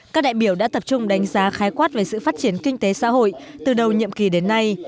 các đại biểu đã tập trung đánh giá khái quát về sự phát triển kinh tế xã hội từ đầu nhiệm kỳ đến nay